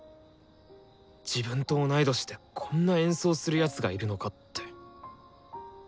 自分と同い年でこんな演奏する奴がいるのかって。